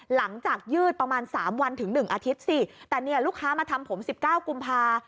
หลังจากยืดประมาณสามวันถึงหนึ่งอาทิตย์สิแต่เนี้ยลูกค้ามาทำผมสิบเก้ากุมภา